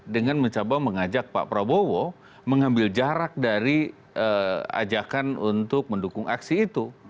dengan mencoba mengajak pak prabowo mengambil jarak dari ajakan untuk mendukung aksi itu